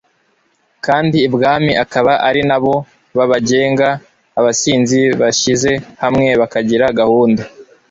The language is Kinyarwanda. kandi ibwami akaba ari na bo babagenga. Abasizi bashyize hamwe, bakagira gahunda